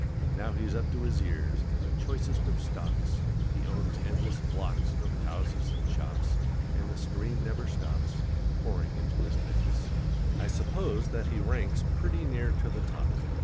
Now he's up to his ears In the choicest of stocks. He owns endless blocks Of houses and shops, And the stream never stops Pouring into his banks. I suppose that he ranks Pretty near to the top.